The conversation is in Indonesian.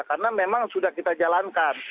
karena memang sudah kita jalankan